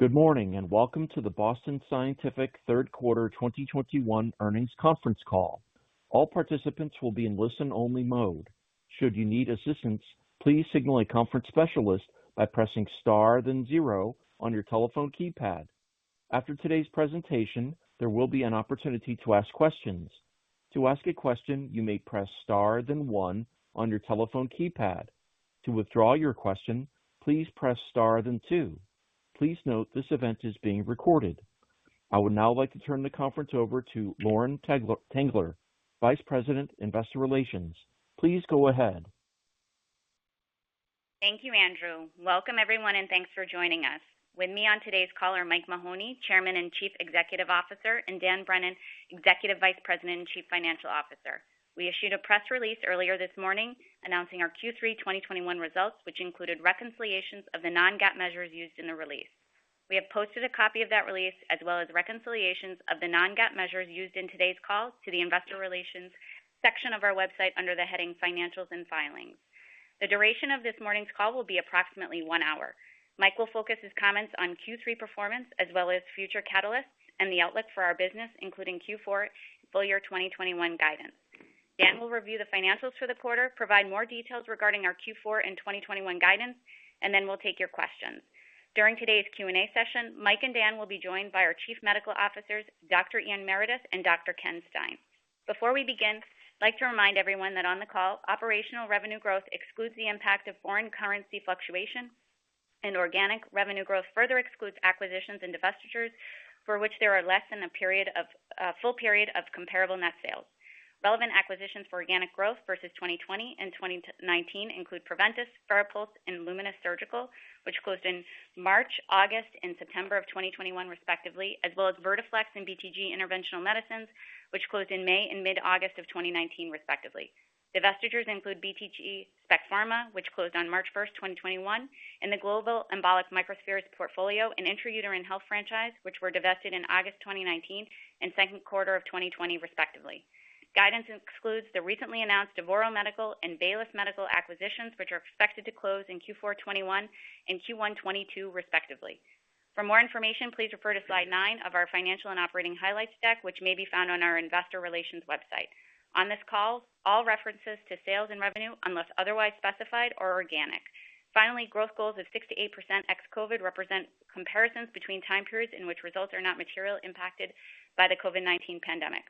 Good morning, and welcome to the Boston Scientific third quarter 2021 earnings conference call. All participants will be in listen-only mode. Should you need assistance, please signal a conference specialist by pressing star, then zero on your telephone keypad. After today's presentation, there will be an opportunity to ask questions. To ask a question, you may press star, then one on your telephone keypad. To withdraw your question, please press star, then two. Please note this event is being recorded. I would now like to turn the conference over to Lauren Tengler, Vice President, Investor Relations. Please go ahead. Thank you, Andrew. Welcome, everyone, and thanks for joining us. With me on today's call are Mike Mahoney, Chairman and Chief Executive Officer, and Dan Brennan, Executive Vice President and Chief Financial Officer. We issued a press release earlier this morning announcing our Q3 2021 results, which included reconciliations of the non-GAAP measures used in the release. We have posted a copy of that release, as well as reconciliations of the non-GAAP measures used in today's call to the investor relations section of our website under the heading Financials and Filings. The duration of this morning's call will be approximately one hour. Mike will focus his comments on Q3 performance as well as future catalysts and the outlook for our business, including Q4 full year 2021 guidance. Dan will review the financials for the quarter, provide more details regarding our Q4 and 2021 guidance, and then we'll take your questions. During today's Q&A session, Mike and Dan will be joined by our chief medical officers, Dr. Ian Meredith and Dr. Ken Stein. Before we begin, I'd like to remind everyone that on the call, operational revenue growth excludes the impact of foreign currency fluctuation and organic revenue growth further excludes acquisitions and divestitures for which there are less than a full period of comparable net sales. Relevant acquisitions for organic growth versus 2020 and 2019 include Preventice, Farapulse, and Lumenis Surgical, which closed in March, August, and September of 2021 respectively, as well as Vertiflex and BTG Interventional Medicine, which closed in May and mid-August of 2019 respectively. Divestitures include BTG Spec Pharma, which closed on March 1, 2021, and the global embolic microspheres portfolio and intrauterine health franchise, which were divested in August 2019 and second quarter of 2020 respectively. Guidance excludes the recently announced Devoro Medical and Baylis Medical acquisitions, which are expected to close in Q4 2021 and Q1 2022 respectively. For more information, please refer to slide 9 of our financial and operating highlights deck, which may be found on our investor relations website. On this call, all references to sales and revenue, unless otherwise specified, are organic. Finally, growth goals of 6%-8% ex-COVID represent comparisons between time periods in which results are not materially impacted by the COVID-19 pandemic.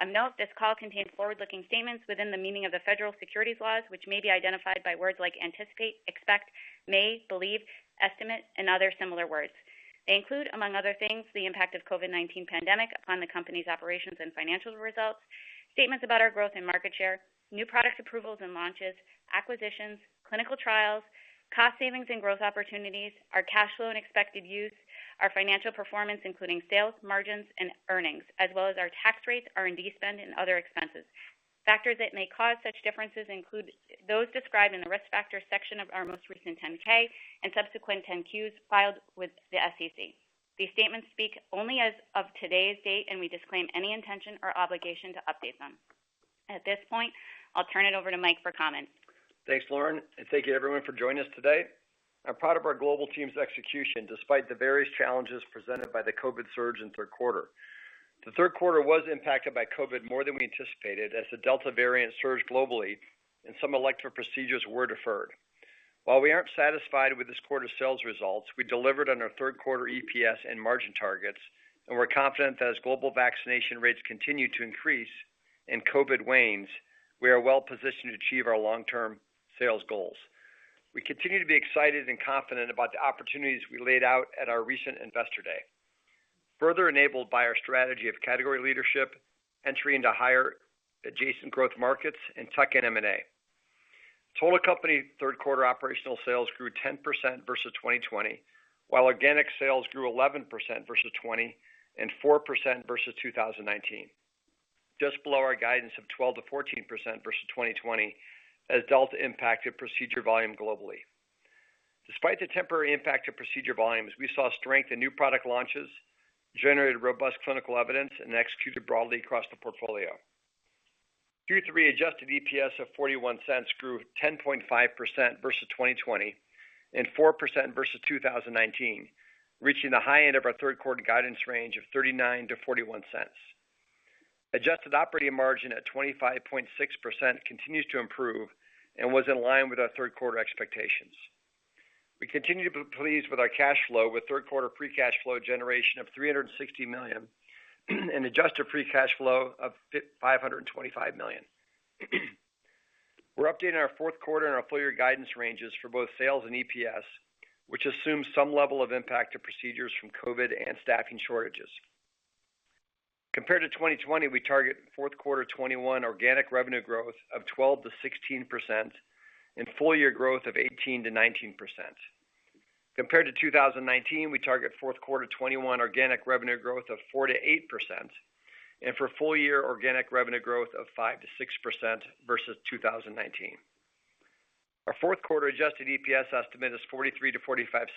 A note, this call contains forward-looking statements within the meaning of the federal securities laws, which may be identified by words like anticipate, expect, may, believe, estimate, and other similar words. They include, among other things, the impact of COVID-19 pandemic upon the company's operations and financial results, statements about our growth and market share, new product approvals and launches, acquisitions, clinical trials, cost savings and growth opportunities, our cash flow and expected use, our financial performance, including sales, margins and earnings, as well as our tax rates, R&D spend and other expenses. Factors that may cause such differences include those described in the Risk Factors section of our most recent 10-K and subsequent 10-Qs filed with the SEC. These statements speak only as of today's date, and we disclaim any intention or obligation to update them. At this point, I'll turn it over to Mike for comments. Thanks, Lauren, and thank you everyone for joining us today. I'm proud of our global team's execution despite the various challenges presented by the COVID surge in third quarter. The third quarter was impacted by COVID more than we anticipated as the Delta variant surged globally and some elective procedures were deferred. While we aren't satisfied with this quarter's sales results, we delivered on our third quarter EPS and margin targets, and we're confident that as global vaccination rates continue to increase and COVID wanes, we are well positioned to achieve our long-term sales goals. We continue to be excited and confident about the opportunities we laid out at our recent Investor Day. Further enabled by our strategy of category leadership, entry into higher adjacent growth markets and tuck-in M&A. Total company third quarter operational sales grew 10% versus 2020, while organic sales grew 11% versus 2020 and 4% versus 2019. Just below our guidance of 12%-14% versus 2020 as Delta impacted procedure volume globally. Despite the temporary impact to procedure volumes, we saw strength in new product launches, generated robust clinical evidence, and executed broadly across the portfolio. Q3 adjusted EPS of $0.41 grew 10.5% versus 2020 and 4% versus 2019, reaching the high end of our third quarter guidance range of $0.39-$0.41. Adjusted operating margin at 25.6% continues to improve and was in line with our third quarter expectations. We continue to be pleased with our cash flow with third quarter free cash flow generation of $360 million and adjusted free cash flow of $525 million. We're updating our fourth quarter and our full year guidance ranges for both sales and EPS, which assumes some level of impact to procedures from COVID and staffing shortages. Compared to 2020, we target fourth quarter 2021 organic revenue growth of 12%-16% and full year growth of 18%-19%. Compared to 2019, we target fourth quarter 2021 organic revenue growth of 4%-8% and for full year organic revenue growth of 5%-6% versus 2019. Our fourth quarter adjusted EPS estimate is $0.43-$0.45,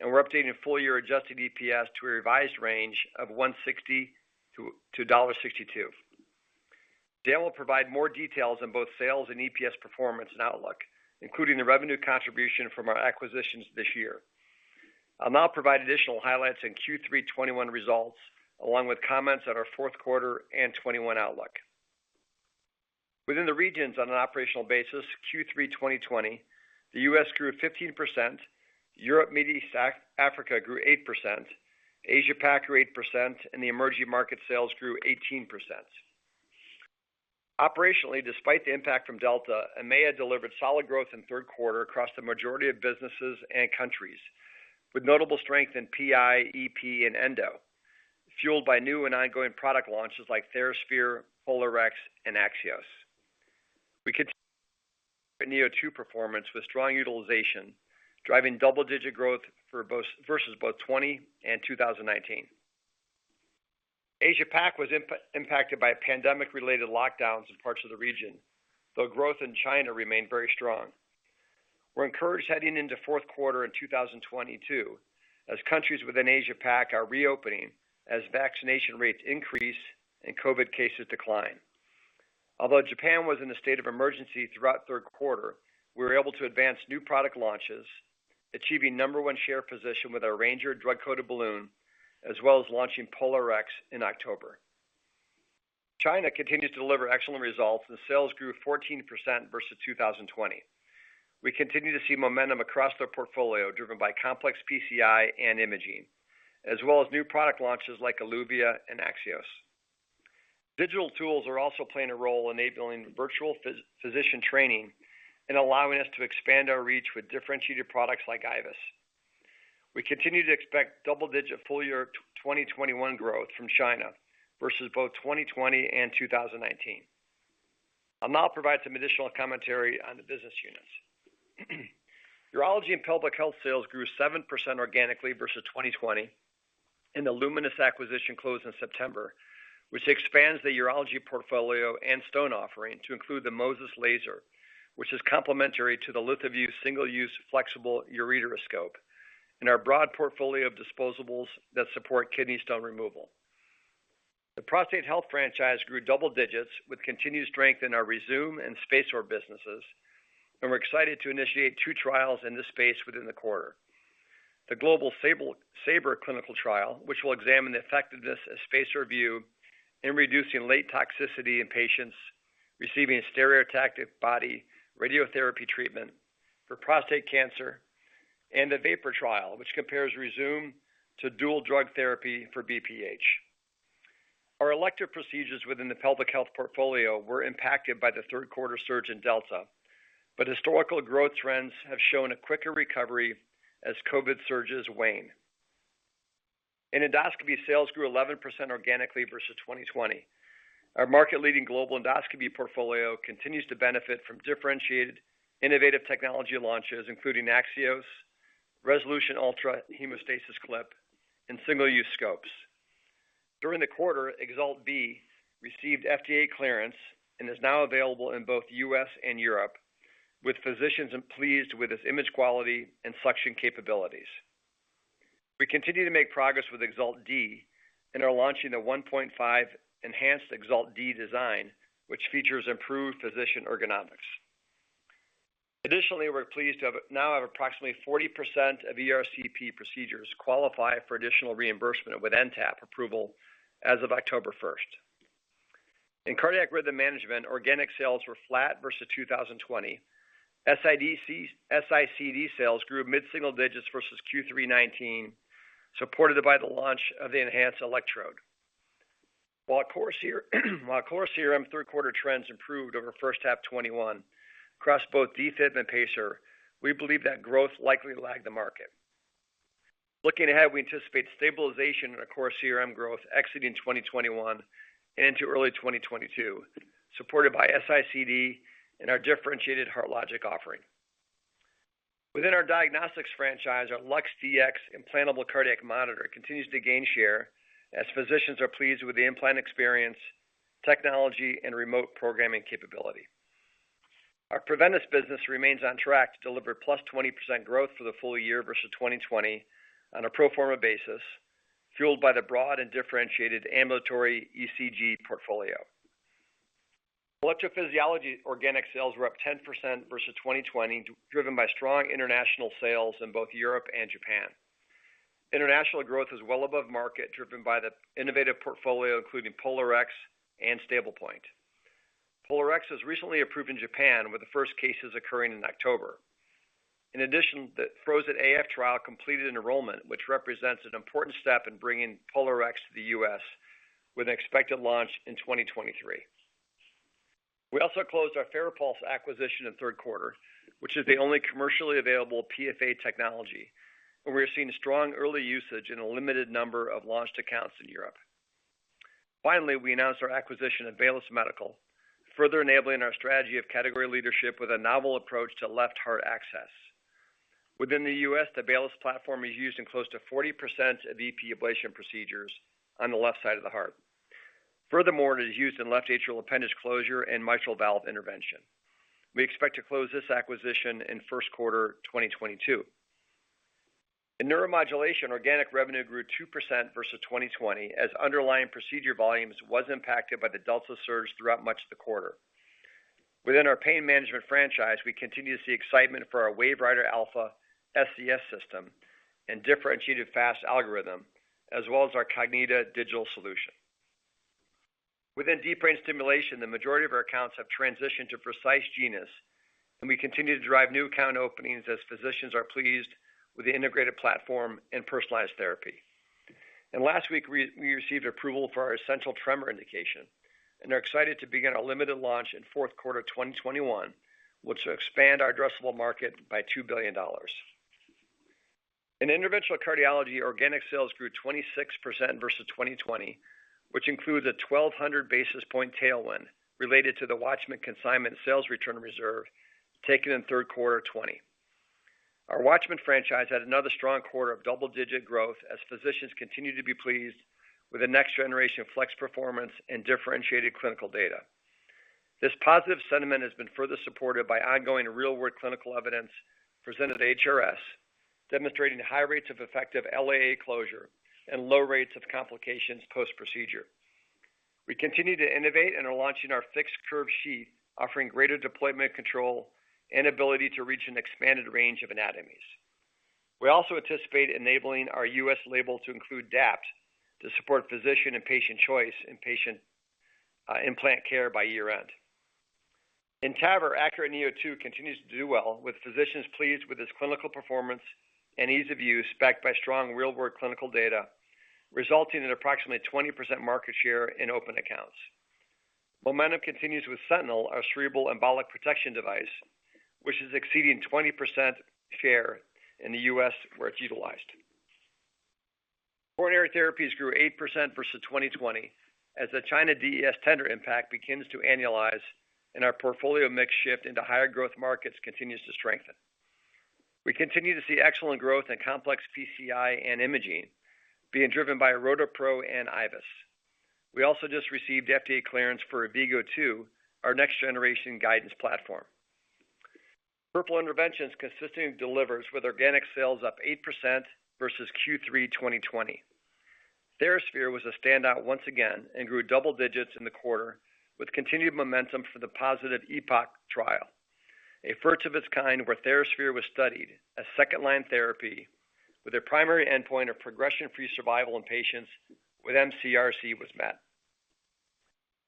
and we're updating full year adjusted EPS to a revised range of $1.60-$1.62. Dan will provide more details on both sales and EPS performance and outlook, including the revenue contribution from our acquisitions this year. I'll now provide additional highlights in Q3 2021 results, along with comments on our fourth quarter and 2021 outlook. Within the regions on an operational basis, Q3 2020, the U.S. grew 15%, Europe, Middle East, Africa grew 8%, Asia Pac grew 8%, and the emerging market sales grew 18%. Operationally, despite the impact from Delta, EMEA delivered solid growth in third quarter across the majority of businesses and countries, with notable strength in PI, EP, and Endo, fueled by new and ongoing product launches like TheraSphere, POLARx, and AXIOS. ACURATE neo2 performance with strong utilization, driving double-digit growth for both versus both 2020 and 2019. Asia Pac was impacted by pandemic-related lockdowns in parts of the region, though growth in China remained very strong. We're encouraged heading into fourth quarter in 2022 as countries within Asia Pac are reopening as vaccination rates increase and COVID-19 cases decline. Although Japan was in a state of emergency throughout third quarter, we were able to advance new product launches, achieving number one share position with our Ranger Drug-Coated Balloon, as well as launching POLARx in October. China continues to deliver excellent results and sales grew 14% versus 2020. We continue to see momentum across their portfolio driven by complex PCI and imaging, as well as new product launches like Eluvia and AXIOS. Digital tools are also playing a role enabling virtual physician training and allowing us to expand our reach with differentiated products like IVUS. We continue to expect double-digit full year 2021 growth from China versus both 2020 and 2019. I'll now provide some additional commentary on the business units. Urology and Pelvic Health sales grew 7% organically versus 2020, and the Lumenis acquisition closed in September, which expands the urology portfolio and stone offering to include the MOSES laser, which is complementary to the LithoVue single-use flexible ureteroscope and our broad portfolio of disposables that support kidney stone removal. The prostate health franchise grew double digits with continued strength in our Rezūm and SpaceOAR businesses, and we're excited to initiate two trials in this space within the quarter. The global SABRE clinical trial, which will examine the effectiveness of SpaceOAR Vue in reducing late toxicity in patients receiving stereotactic body radiotherapy treatment for prostate cancer, and a Vapor trial which compares Rezūm to dual drug therapy for BPH. Our elective procedures within the pelvic health portfolio were impacted by the third quarter surge in Delta, but historical growth trends have shown a quicker recovery as COVID surges wane. In endoscopy, sales grew 11% organically versus 2020. Our market leading global endoscopy portfolio continues to benefit from differentiated innovative technology launches, including AXIOS, Resolution Ultra Hemostasis Clip, and single-use scopes. During the quarter, EXALT Model B received FDA clearance and is now available in both U.S. and Europe, with physicians pleased with its image quality and suction capabilities. We continue to make progress with EXALT Model D and are launching the 1.5 enhanced EXALT Model D design, which features improved physician ergonomics. Additionally, we're pleased to now have approximately 40% of ERCP procedures qualify for additional reimbursement with NTAP approval as of October first. In cardiac rhythm management, organic sales were flat versus 2020. S-ICD sales grew mid-single digits versus Q3 2019, supported by the launch of the enhanced electrode. While Core CRM third quarter trends improved over first half 2021 across both defib and pacer, we believe that growth likely lagged the market. Looking ahead, we anticipate stabilization in our Core CRM growth exiting 2021 and into early 2022, supported by S-ICD and our differentiated HeartLogic offering. Within our diagnostics franchise, our LUX-Dx implantable cardiac monitor continues to gain share as physicians are pleased with the implant experience, technology, and remote programming capability. Our Preventice business remains on track to deliver +20% growth for the full year versus 2020 on a pro forma basis, fueled by the broad and differentiated ambulatory ECG portfolio. Electrophysiology organic sales were up 10% versus 2020, driven by strong international sales in both Europe and Japan. International growth is well above market, driven by the innovative portfolio including POLARx and Stablepoint. POLARx was recently approved in Japan, with the first cases occurring in October. In addition, the FROzEN-AF trial completed enrollment, which represents an important step in bringing POLARx to the U.S. with an expected launch in 2023. We also closed our Farapulse acquisition in third quarter, which is the only commercially available PFA technology, and we are seeing strong early usage in a limited number of launched accounts in Europe. Finally, we announced our acquisition of Baylis Medical Company, further enabling our strategy of category leadership with a novel approach to left heart access. Within the U.S., the Baylis platform is used in close to 40% of EP ablation procedures on the left side of the heart. Furthermore, it is used in left atrial appendage closure and mitral valve intervention. We expect to close this acquisition in first quarter 2022. In neuromodulation, organic revenue grew 2% versus 2020 as underlying procedure volumes was impacted by the Delta surge throughout much of the quarter. Within our pain management franchise, we continue to see excitement for our WaveWriter Alpha SCS System and differentiated FAST algorithm, as well as our Cognita digital solution. Within deep brain stimulation, the majority of our accounts have transitioned to Vercise Genus, and we continue to drive new account openings as physicians are pleased with the integrated platform and personalized therapy. Last week, we received approval for our essential tremor indication and are excited to begin our limited launch in fourth quarter 2021, which will expand our addressable market by $2 billion. In interventional cardiology, organic sales grew 26% versus 2020, which includes a 1,200 basis point tailwind related to the WATCHMAN consignment sales return reserve taken in third quarter of 2020. Our WATCHMAN franchise had another strong quarter of double-digit growth as physicians continue to be pleased with the next-generation FLX performance and differentiated clinical data. This positive sentiment has been further supported by ongoing real-world clinical evidence presented at HRS, demonstrating high rates of effective LAA closure and low rates of complications post-procedure. We continue to innovate and are launching our fixed curve sheath, offering greater deployment control and ability to reach an expanded range of anatomies. We also anticipate enabling our U.S. label to include DAPT to support physician and patient choice in patient implant care by year-end. In TAVR, ACURATE neo2 continues to do well with physicians pleased with its clinical performance and ease of use backed by strong real-world clinical data, resulting in approximately 20% market share in open accounts. Momentum continues with SENTINEL, our cerebral embolic protection device, which is exceeding 20% share in the U.S. where it's utilized. Coronary therapies grew 8% versus 2020 as the China DES tender impact begins to annualize and our portfolio mix shift into higher growth markets continues to strengthen. We continue to see excellent growth in complex PCI and imaging being driven by ROTAPRO and IVUS. We also just received FDA clearance for AVVIGO II, our next-generation guidance platform. Peripheral interventions consistently delivers with organic sales up 8% versus Q3 2020. TheraSphere was a standout once again and grew double digits in the quarter with continued momentum for the positive EPOCH trial, a first of its kind where TheraSphere was studied as second-line therapy with a primary endpoint of progression-free survival in patients with mCRC was met.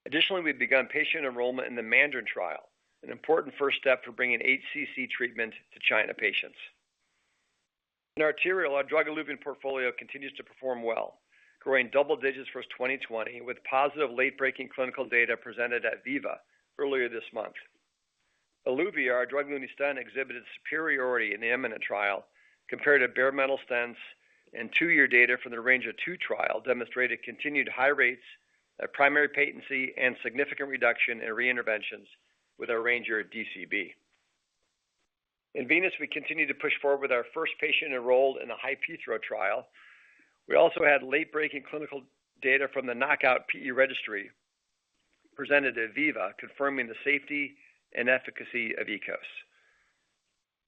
Additionally, we've begun patient enrollment in the MANDARIN trial, an important first step to bringing HCC treatment to Chinese patients. In arterial, our drug-eluting portfolio continues to perform well, growing double digits versus 2020 with positive late-breaking clinical data presented at VIVA earlier this month. Eluvia, our drug-eluting stent, exhibited superiority in the EMINENT trial compared to bare metal stents, and two-year data from the RANGER II trial demonstrated continued high rates of primary patency and significant reduction in reinterventions with our Ranger DCB. In Venous, we continue to push forward with our first patient enrolled in the HI-PEITHO trial. We also had late-breaking clinical data from the KNOCOUT PE registry presented at VIVA, confirming the safety and efficacy of EKOS.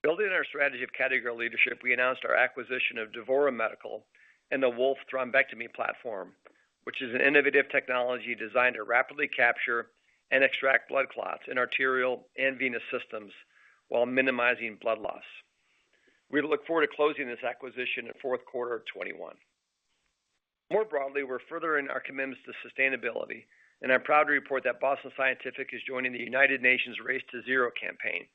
Building on our strategy of category leadership, we announced our acquisition of Devoro Medical and the WOLF Thrombectomy Platform, which is an innovative technology designed to rapidly capture and extract blood clots in arterial and venous systems while minimizing blood loss. We look forward to closing this acquisition in fourth quarter of 2021. More broadly, we're furthering our commitments to sustainability, and I'm proud to report that Boston Scientific is joining the United Nations Race to Zero campaign.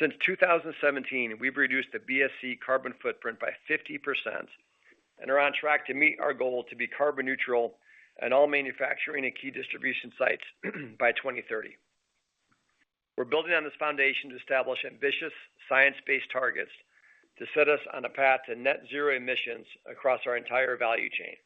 Since 2017, we've reduced the BSC carbon footprint by 50% and are on track to meet our goal to be carbon neutral at all manufacturing and key distribution sites by 2030. We're building on this foundation to establish ambitious science-based targets to set us on a path to net zero emissions across our entire value chain.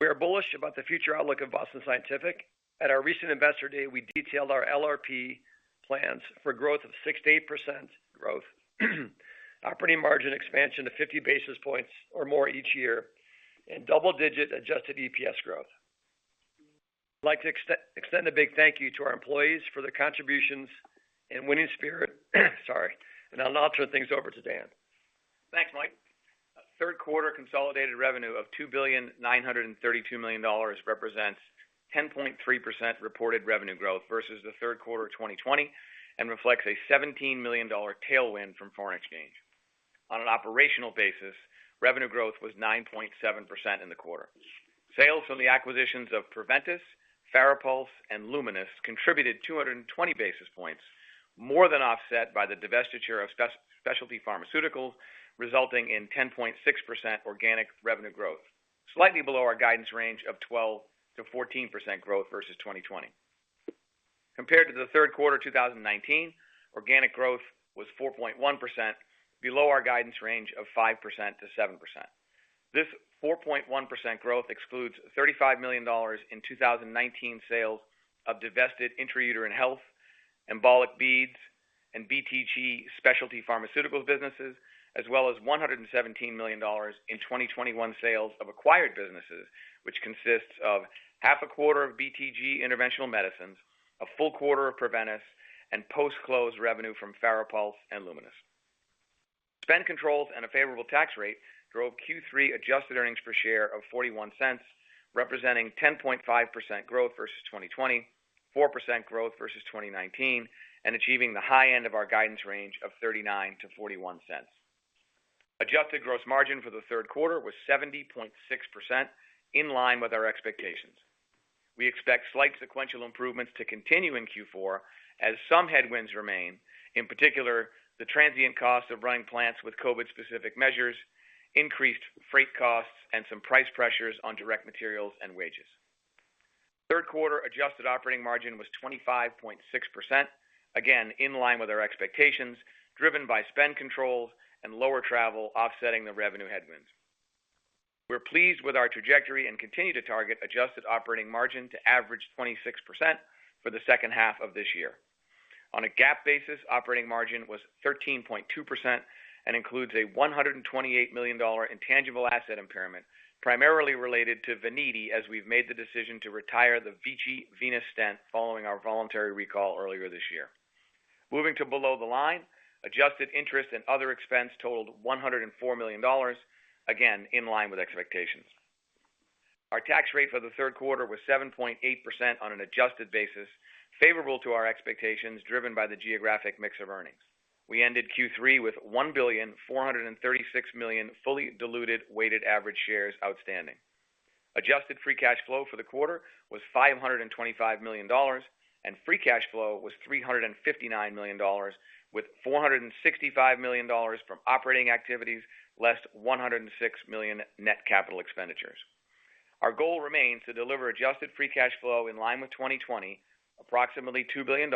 We are bullish about the future outlook of Boston Scientific. At our recent Investor Day, we detailed our LRP plans for growth of 6%-8% growth, operating margin expansion to 50 basis points or more each year, and double-digit adjusted EPS growth. I'd like to extend a big thank you to our employees for their contributions and winning spirit. Sorry. Now I'll turn things over to Dan. Thanks, Mike. Third quarter consolidated revenue of $2.932 billion represents 10.3% reported revenue growth versus the third quarter of 2020 and reflects a $17 million tailwind from foreign exchange. On an operational basis, revenue growth was 9.7% in the quarter. Sales from the acquisitions of Preventice, Farapulse, and Lumenis contributed 220 basis points, more than offset by the divestiture of Specialty Pharmaceuticals, resulting in 10.6% organic revenue growth, slightly below our guidance range of 12%-14% growth versus 2020. Compared to the third quarter of 2019, organic growth was 4.1% below our guidance range of 5%-7%. This 4.1% growth excludes $35 million in 2019 sales of divested intrauterine health, embolic beads, and BTG Specialty Pharmaceuticals businesses, as well as $117 million in 2021 sales of acquired businesses, which consists of half a quarter of BTG Interventional Medicine, a full quarter of Preventice, and post-close revenue from Farapulse and Lumenis. Spend controls and a favorable tax rate drove Q3 adjusted earnings per share of $0.41, representing 10.5% growth versus 2020, 4% growth versus 2019, and achieving the high end of our guidance range of $0.39-$0.41. Adjusted gross margin for the third quarter was 70.6%, in line with our expectations. We expect slight sequential improvements to continue in Q4 as some headwinds remain, in particular, the transient cost of running plants with COVID-specific measures, increased freight costs, and some price pressures on direct materials and wages. Third quarter adjusted operating margin was 25.6%, again in line with our expectations, driven by spend controls and lower travel offsetting the revenue headwinds. We're pleased with our trajectory and continue to target adjusted operating margin to average 26% for the second half of this year. On a GAAP basis, operating margin was 13.2% and includes a $128 million intangible asset impairment, primarily related to Veniti as we've made the decision to retire the Vici Venous stent following our voluntary recall earlier this year. Moving to below the line, adjusted interest and other expense totaled $104 million, again in line with expectations. Our tax rate for the third quarter was 7.8% on an adjusted basis, favorable to our expectations driven by the geographic mix of earnings. We ended Q3 with 1,436 million fully diluted weighted average shares outstanding. Adjusted free cash flow for the quarter was $525 million, and free cash flow was $359 million with $465 million from operating activities, less $106 million net capital expenditures. Our goal remains to deliver adjusted free cash flow in line with 2020, approximately $2 billion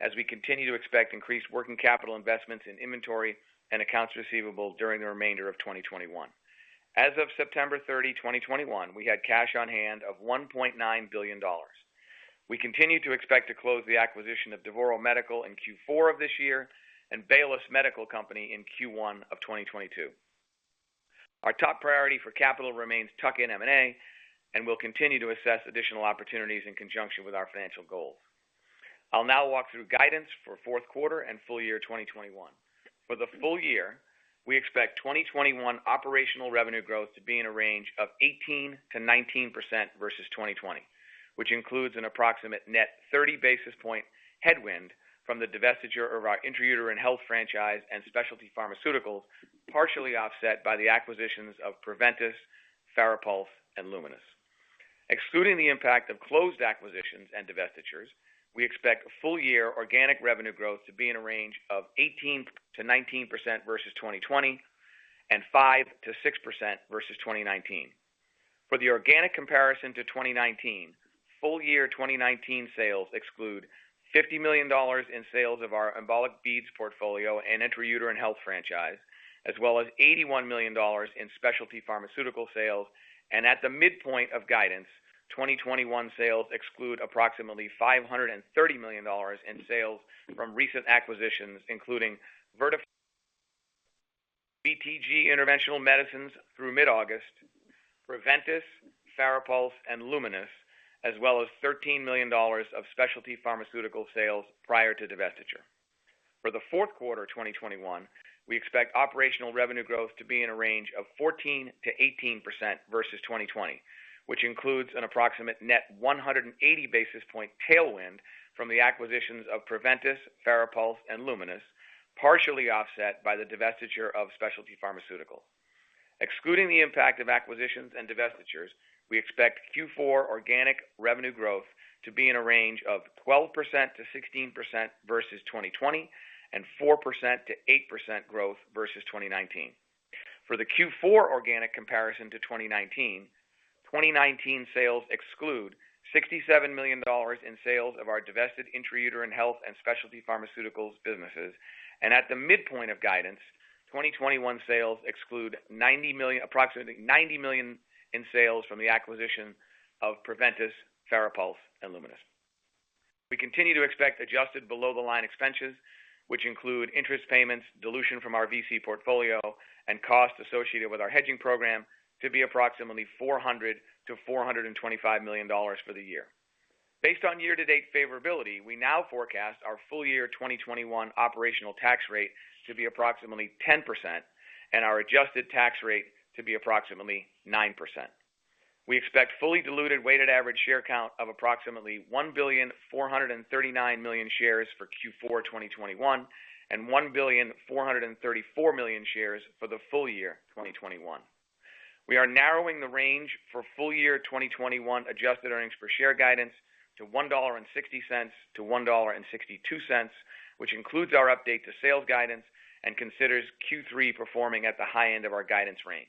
as we continue to expect increased working capital investments in inventory and accounts receivable during the remainder of 2021. As of September 30, 2021, we had cash on hand of $1.9 billion. We continue to expect to close the acquisition of Devoro Medical in Q4 of this year and Baylis Medical Company in Q1 of 2022. Our top priority for capital remains tuck-in M&A, and we'll continue to assess additional opportunities in conjunction with our financial goals. I'll now walk through guidance for fourth quarter and full year 2021. For the full year, we expect 2021 operational revenue growth to be in a range of 18%-19% versus 2020, which includes an approximate net 30 basis point headwind from the divestiture of our intrauterine health franchise and specialty pharmaceuticals, partially offset by the acquisitions of Preventice, Farapulse, and Lumenis. Excluding the impact of closed acquisitions and divestitures, we expect full-year organic revenue growth to be in a range of 18%-19% versus 2020 and 5%-6% versus 2019. For the organic comparison to 2019, full-year 2019 sales exclude $50 million in sales of our embolic beads portfolio and intrauterine health franchise, as well as $81 million in specialty pharmaceutical sales. At the midpoint of guidance, 2021 sales exclude approximately $530 million in sales from recent acquisitions, including BTG Interventional Medicine through mid-August, Preventice, Farapulse, and Lumenis, as well as $13 million of specialty pharmaceutical sales prior to divestiture. For the fourth quarter of 2021, we expect operational revenue growth to be in a range of 14%-18% versus 2020, which includes an approximate net 180 basis point tailwind from the acquisitions of Preventice, Farapulse, and Lumenis, partially offset by the divestiture of specialty pharmaceutical. Excluding the impact of acquisitions and divestitures, we expect Q4 organic revenue growth to be in a range of 12%-16% versus 2020 and 4%-8% growth versus 2019. For the Q4 organic comparison to 2019 sales exclude $67 million in sales of our divested intrauterine health and specialty pharmaceuticals businesses. At the midpoint of guidance, 2021 sales exclude approximately $90 million in sales from the acquisition of Preventice, Farapulse, and Lumenis. We continue to expect adjusted below-the-line expenses, which include interest payments, dilution from our VC portfolio, and costs associated with our hedging program to be approximately $400 million-$425 million for the year. Based on year-to-date favorability, we now forecast our full year 2021 operational tax rate to be approximately 10% and our adjusted tax rate to be approximately 9%. We expect fully diluted weighted average share count of approximately 1,439 million shares for Q4 2021 and 1,434 million shares for the full year 2021. We are narrowing the range for full year 2021 adjusted earnings per share guidance to $1.60-$1.62, which includes our update to sales guidance and considers Q3 performing at the high end of our guidance range.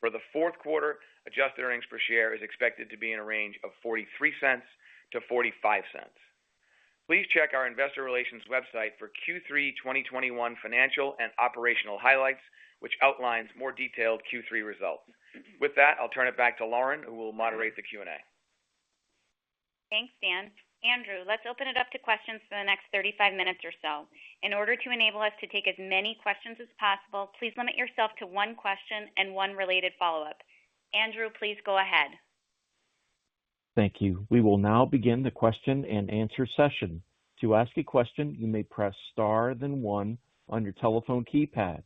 For the fourth quarter, adjusted earnings per share is expected to be in a range of $0.43-$0.45. Please check our investor relations website for Q3 2021 financial and operational highlights, which outlines more detailed Q3 results. With that, I'll turn it back to Lauren, who will moderate the Q&A. Thanks, Dan. Andrew, let's open it up to questions for the next 35 minutes or so. In order to enable us to take as many questions as possible, please limit yourself to one question and one related follow-up. Andrew, please go ahead. Thank you. We will now begin the question-and-answer session. To ask a question, you may press star, then one on your telephone keypad.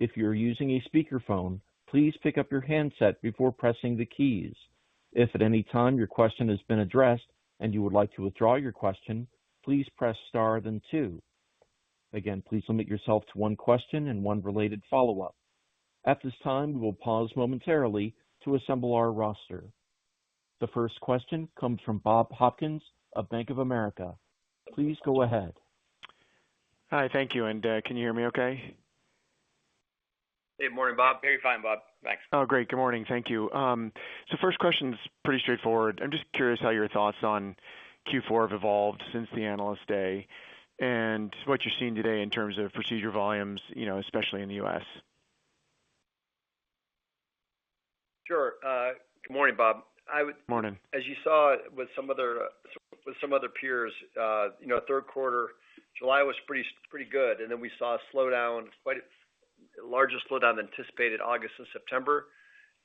If you're using a speakerphone, please pick up your handset before pressing the keys. If at any time your question has been addressed and you would like to withdraw your question, please press star, then two. Again, please limit yourself to one question and one related follow-up. At this time, we will pause momentarily to assemble our roster. The first question comes from Bob Hopkins of Bank of America. Please go ahead. Hi. Thank you. Can you hear me okay? Good morning, Bob. Very fine, Bob. Hi. Oh, great. Good morning. Thank you. First question is pretty straightforward. I'm just curious how your thoughts on Q4 have evolved since the Analyst Day and what you're seeing today in terms of procedure volumes, you know, especially in the U.S. Sure. Good morning, Bob. I would- Morning. As you saw with some other peers, you know, third quarter, July was pretty good. Then we saw a slowdown, the largest slowdown anticipated August and September.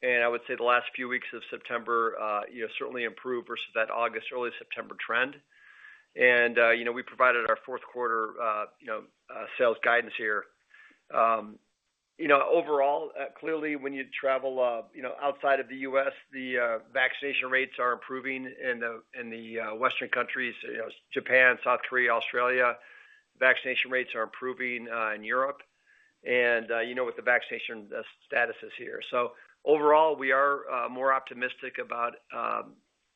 I would say the last few weeks of September, you know, certainly improved versus that August, early September trend. We provided our fourth quarter, you know, sales guidance here. You know, overall, clearly when you travel, you know, outside of the U.S., the vaccination rates are improving in the Western countries, you know, Japan, South Korea, Australia. Vaccination rates are improving in Europe and, you know, with the vaccination status here. Overall, we are more optimistic about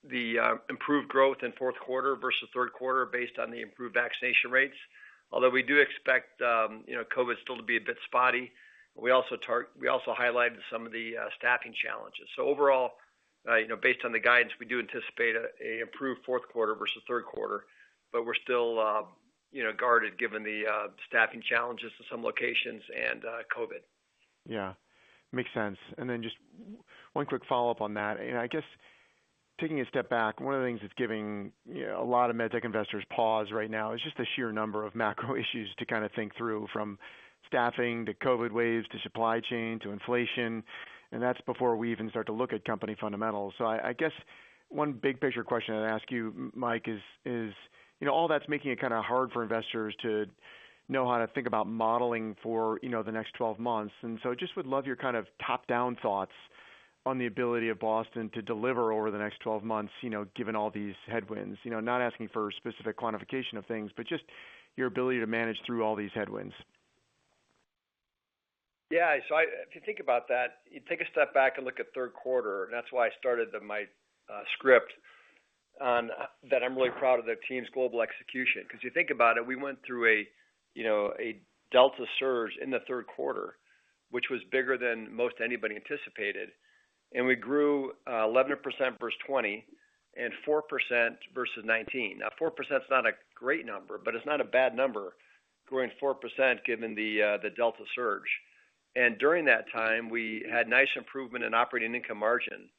the improved growth in fourth quarter versus third quarter based on the improved vaccination rates. Although we do expect, you know, COVID still to be a bit spotty. We also highlighted some of the staffing challenges. Overall, you know, based on the guidance, we do anticipate an improved fourth quarter versus third quarter, but we're still, you know, guarded given the staffing challenges to some locations and COVID. Yeah, makes sense. Then just one quick follow-up on that. I guess taking a step back, one of the things that's giving, you know, a lot of med tech investors pause right now is just the sheer number of macro issues to kind of think through, from staffing to COVID waves, to supply chain, to inflation. That's before we even start to look at company fundamentals. I guess one big picture question I'd ask you, Mike, is, you know, all that's making it kind of hard for investors to know how to think about modeling for, you know, the next 12 months. I just would love your kind of top-down thoughts on the ability of Boston to deliver over the next 12 months, you know, given all these headwinds. You know, not asking for specific quantification of things, but just your ability to manage through all these headwinds. If you think about that, you take a step back and look at third quarter. That's why I started my script on that I'm really proud of the team's global execution, because you think about it, we went through a you know a Delta surge in the third quarter, which was bigger than most anybody anticipated, and we grew 11% versus 2020 and 4% versus 2019. Now, 4% is not a great number, but it's not a bad number growing 4% given the Delta surge. During that time, we had nice improvement in operating income margin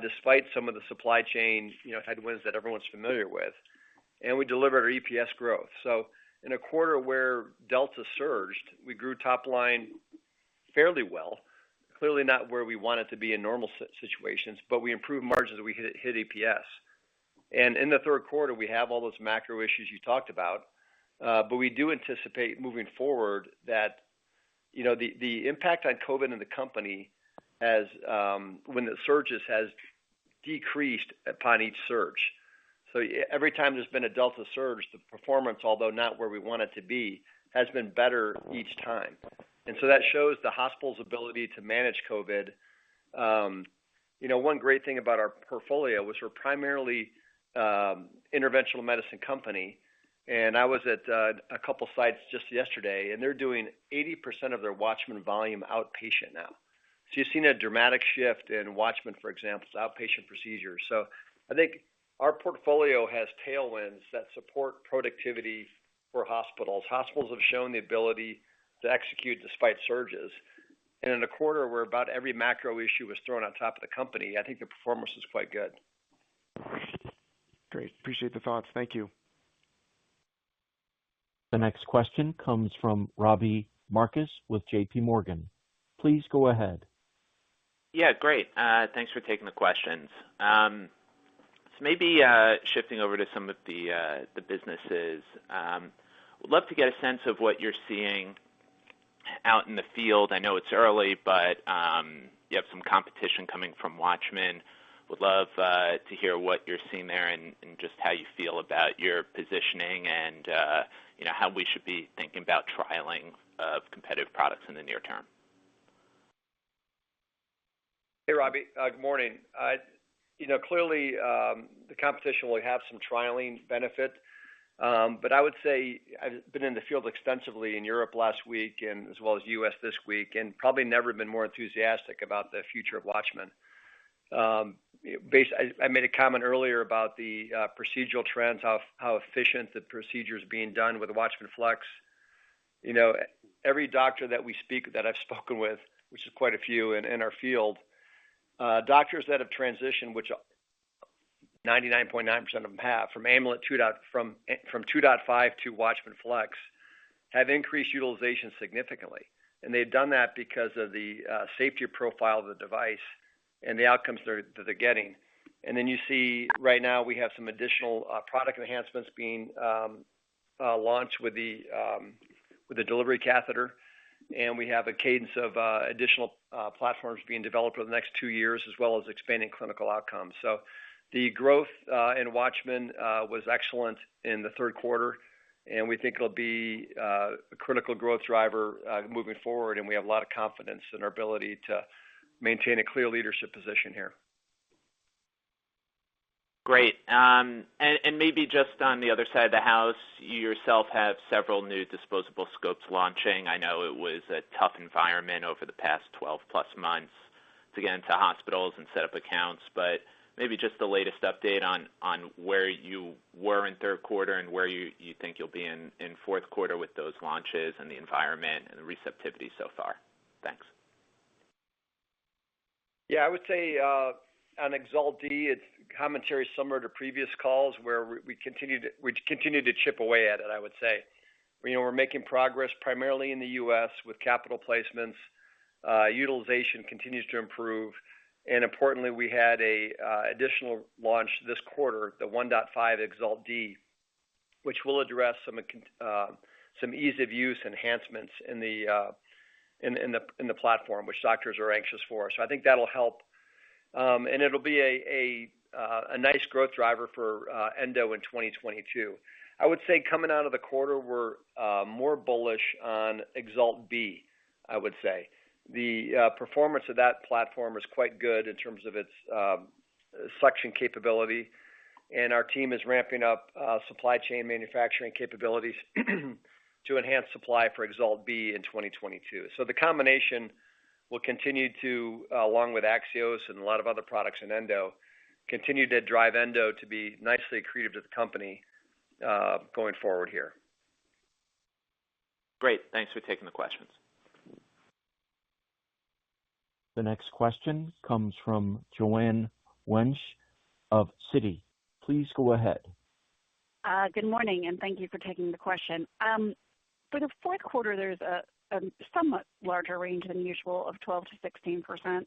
despite some of the supply chain you know headwinds that everyone's familiar with. We delivered our EPS growth. In a quarter where Delta surged, we grew top line fairly well. Clearly not where we want it to be in normal situations, but we improved margins, we hit EPS. In the third quarter, we have all those macro issues you talked about. We do anticipate moving forward that, you know, the impact on COVID and the company as when the surges has decreased upon each surge. Every time there's been a Delta surge, the performance, although not where we want it to be, has been better each time. That shows the hospital's ability to manage COVID. You know, one great thing about our portfolio was we're primarily interventional medicine company, and I was at a couple sites just yesterday, and they're doing 80% of their WATCHMAN volume outpatient now. You're seeing a dramatic shift in WATCHMAN, for example, it's outpatient procedure. I think our portfolio has tailwinds that support productivity for hospitals. Hospitals have shown the ability to execute despite surges. In a quarter where about every macro issue was thrown on top of the company, I think the performance was quite good. Great. Appreciate the thoughts. Thank you. The next question comes from Robbie Marcus with JPMorgan. Please go ahead. Yeah, great. Thanks for taking the questions. Maybe shifting over to some of the businesses, would love to get a sense of what you're seeing out in the field. I know it's early, but you have some competition coming from WATCHMAN. Would love to hear what you're seeing there and just how you feel about your positioning and you know, how we should be thinking about trialing of competitive products in the near term. Hey, Robbie. Good morning. You know, clearly, the competition will have some trialing benefit. But I would say I've been in the field extensively in Europe last week and as well as U.S. this week, and probably never been more enthusiastic about the future of WATCHMAN. I made a comment earlier about the procedural trends, how efficient the procedure is being done with WATCHMAN FLX. You know, every doctor that I've spoken with, which is quite a few in our field, doctors that have transitioned, which 99.9% of them have, from 2.5 to WATCHMAN FLX have increased utilization significantly. They've done that because of the safety profile of the device and the outcomes they're getting. You see right now we have some additional product enhancements being launched with the delivery catheter. We have a cadence of additional platforms being developed over the next two years as well as expanding clinical outcomes. The growth in WATCHMAN was excellent in the third quarter, and we think it'll be a critical growth driver moving forward, and we have a lot of confidence in our ability to maintain a clear leadership position here. Great. Maybe just on the other side of the house, you yourself have several new disposable scopes launching. I know it was a tough environment over the past 12+ months to get into hospitals and set up accounts, but maybe just the latest update on where you were in third quarter and where you think you'll be in fourth quarter with those launches and the environment and the receptivity so far. Thanks. Yeah, I would say on EXALT Model D, it's commentary similar to previous calls where we continue to chip away at it, I would say. You know, we're making progress primarily in the U.S. with capital placements. Utilization continues to improve. Importantly, we had additional launch this quarter, the 1.5 EXALT Model D, which will address some ease of use enhancements in the platform which doctors are anxious for. So I think that'll help. And it'll be a nice growth driver for Endoscopy in 2022. I would say coming out of the quarter, we're more bullish on EXALT Model B, I would say. The performance of that platform was quite good in terms of its suction capability, and our team is ramping up supply chain manufacturing capabilities to enhance supply for EXALT Model B in 2022. The combination will continue to along with AXIOS and a lot of other products in Endoscopy continue to drive Endoscopy to be nicely accretive to the company going forward here. Great. Thanks for taking the questions. The next question comes from Joanne Wuensch of Citi. Please go ahead. Good morning, and thank you for taking the question. For the fourth quarter, there's a somewhat larger range than usual of 12%-16%.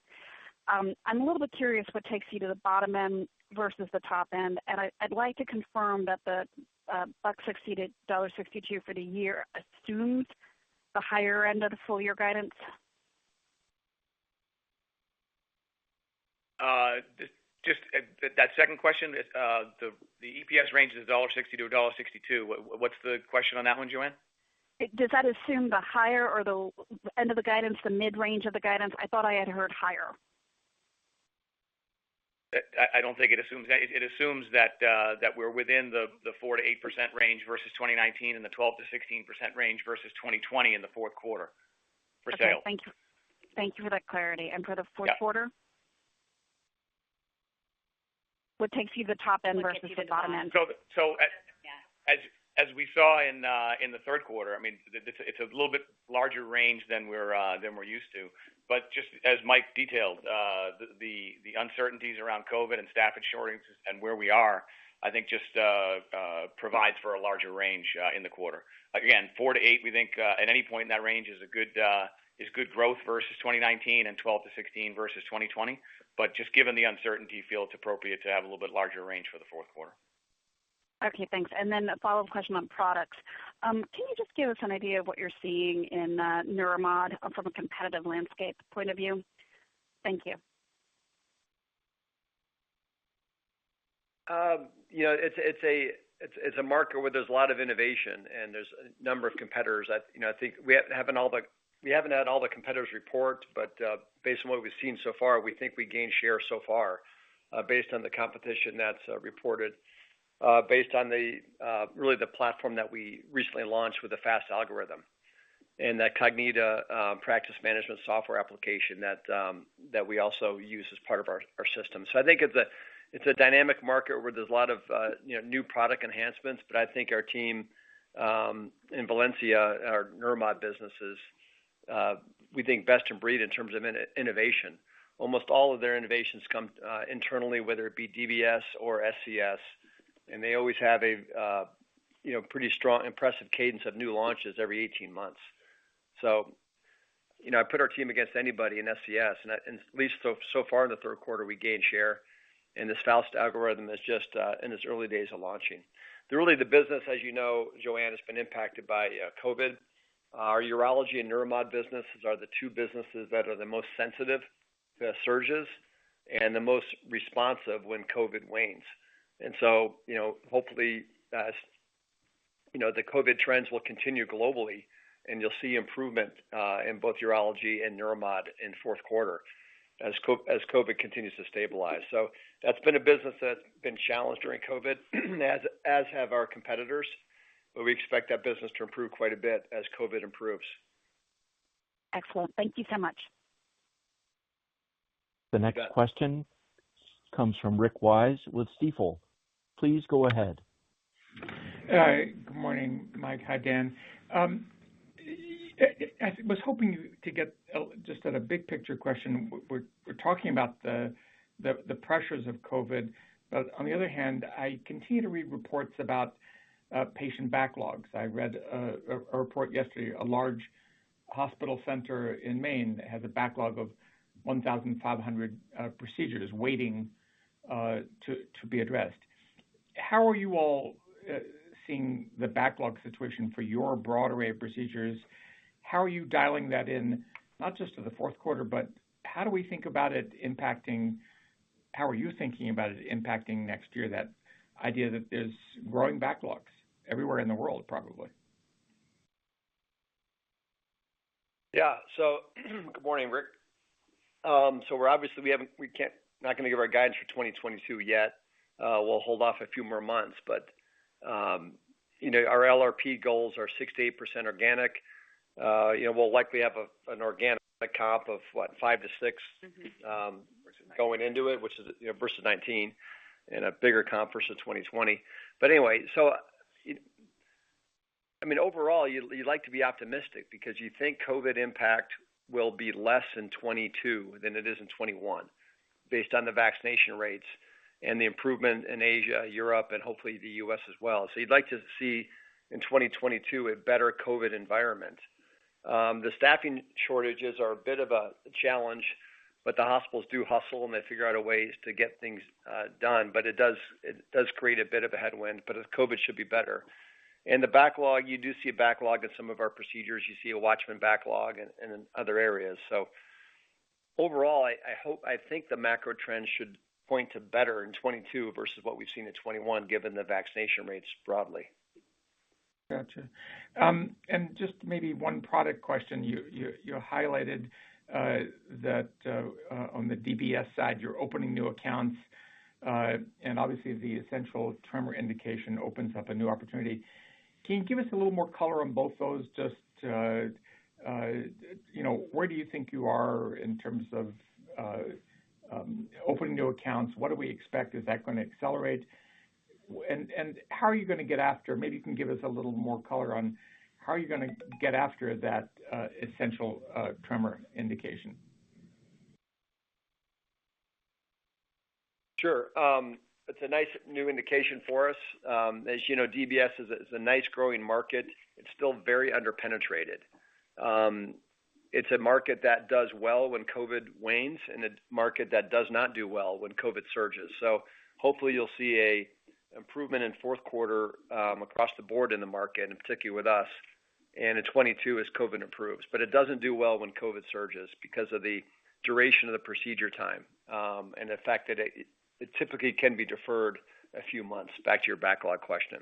I'm a little bit curious what takes you to the bottom end versus the top end. I'd like to confirm that the $1.60-$1.62 for the year assumes the higher end of the full year guidance. Just that second question, the EPS range is $1.60-$1.62. What's the question on that one, Joanne? Does that assume the higher end of the guidance, the mid-range of the guidance? I thought I had heard higher. I don't think it assumes that. It assumes that we're within the 4%-8% range versus 2019 and the 12%-16% range versus 2020 in the fourth quarter for scale. Okay. Thank you. Thank you for that clarity. For the fourth quarter? What takes you to the top end versus the bottom end? As we saw in the third quarter, I mean, it's a little bit larger range than we're used to. Just as Mike detailed, the uncertainties around COVID and staffing shortages and where we are, I think provides for a larger range in the quarter. Again, 4%-8%, we think, at any point in that range is good growth versus 2019 and 12%-16% versus 2020. Just given the uncertainty, feel it's appropriate to have a little bit larger range for the fourth quarter. Okay, thanks. A follow-up question on products. Can you just give us an idea of what you're seeing in Neuromodulation from a competitive landscape point of view? Thank you. You know, it's a market where there's a lot of innovation and there's a number of competitors. I think we haven't had all the competitors report, but based on what we've seen so far, we think we gained share so far, based on the competition that's reported, based on really the platform that we recently launched with the FAST algorithm and that Cognita practice management software application that we also use as part of our system. I think it's a dynamic market where there's a lot of you know new product enhancements. I think our team in Valencia, our Neuromodulation business is we think best in breed in terms of innovation. Almost all of their innovations come internally, whether it be DBS or SCS, and they always have a you know, pretty strong impressive cadence of new launches every 18 months. You know, I put our team against anybody in SCS, and at least so far in the third quarter, we gained share, and this FAST algorithm is just in its early days of launching. Really the business, as you know, Joanne, has been impacted by COVID. Our urology and Neuromodulation businesses are the two businesses that are the most sensitive to surges and the most responsive when COVID wanes. You know, hopefully, as you know, the COVID trends will continue globally and you'll see improvement in both urology and Neuromodulation in fourth quarter as COVID continues to stabilize. That's been a business that's been challenged during COVID, as have our competitors, but we expect that business to improve quite a bit as COVID improves. Excellent. Thank you so much. You bet. The next question comes from Rick Wise with Stifel. Please go ahead. Hi. Good morning, Mike. Hi, Dan. I was hoping to get just a big picture question. We're talking about the pressures of COVID, but on the other hand, I continue to read reports about patient backlogs. I read a report yesterday, a large hospital center in Maine has a backlog of 1,500 procedures waiting to be addressed. How are you all seeing the backlog situation for your broad array of procedures? How are you dialing that in not just to the fourth quarter, but how are you thinking about it impacting next year, that idea that there's growing backlogs everywhere in the world, probably? Yeah. Good morning, Rick. We're obviously not gonna give our guidance for 2022 yet. We'll hold off a few more months. You know, our LRP goals are 68% organic. You know, we'll likely have an organic comp of what? 5%-6% going into it, which is, you know, versus 2019 and a bigger comp versus 2020. Anyway, I mean, overall you like to be optimistic because you think COVID impact will be less in 2022 than it is in 2021 based on the vaccination rates and the improvement in Asia, Europe and hopefully the U.S. as well. You'd like to see in 2022 a better COVID environment. The staffing shortages are a bit of a challenge, but the hospitals do hustle, and they figure out a ways to get things done. It does create a bit of a headwind. With COVID should be better. The backlog, you do see a backlog in some of our procedures. You see a WATCHMAN backlog in other areas. Overall, I think the macro trends should point to better in 2022 versus what we've seen in 2021, given the vaccination rates broadly. Gotcha. Just maybe one product question. You highlighted that on the DBS side, you're opening new accounts. And obviously the essential tremor indication opens up a new opportunity. Can you give us a little more color on both those, just to you know, where do you think you are in terms of opening new accounts? What do we expect? Is that gonna accelerate? And how are you gonna get after? Maybe you can give us a little more color on how are you gonna get after that essential tremor indication. Sure. It's a nice new indication for us. As you know, DBS is a nice growing market. It's still very under-penetrated. It's a market that does well when COVID wanes and a market that does not do well when COVID surges. Hopefully you'll see an improvement in fourth quarter, across the board in the market and particularly with us and in 2022 as COVID improves. It doesn't do well when COVID surges because of the duration of the procedure time, and the fact that it typically can be deferred a few months, back to your backlog question.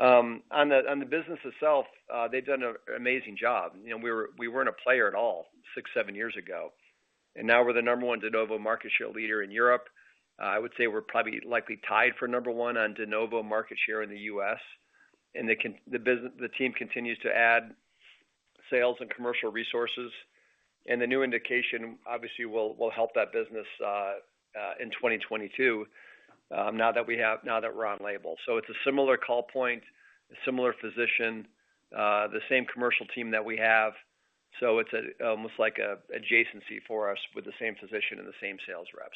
On the business itself, they've done an amazing job. You know, we weren't a player at all six, seven years ago, and now we're the number one de novo market share leader in Europe. I would say we're probably likely tied for number one on de novo market share in the U.S. The team continues to add sales and commercial resources. The new indication obviously will help that business in 2022, now that we're on label. It's a similar call point, a similar physician, the same commercial team that we have. It's almost like a adjacency for us with the same physician and the same sales rep.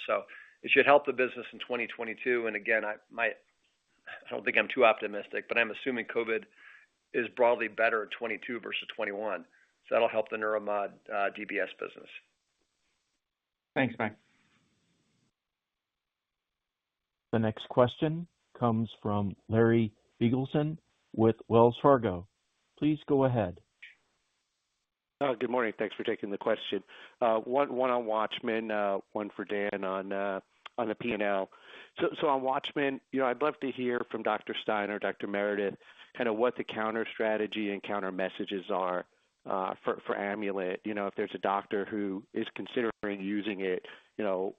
It should help the business in 2022. Again, I don't think I'm too optimistic, but I'm assuming COVID is broadly better in 2022 versus 2021, so that'll help the Neuromodulation DBS business. Thanks, Mike. The next question comes from Larry Biegelsen with Wells Fargo. Please go ahead. Good morning. Thanks for taking the question. One on WATCHMAN, one for Dan on the P&L. On WATCHMAN, you know, I'd love to hear from Dr. Stein or Dr. Meredith, kind of what the counter strategy and counter messages are for Amulet. You know, if there's a doctor who is considering using it, you know,